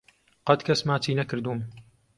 قەت کەس ماچی نەکردووم.